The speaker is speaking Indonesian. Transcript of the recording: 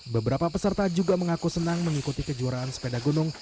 beberapa peserta juga mengaku senang mengikuti kejuaraan sepeda gunung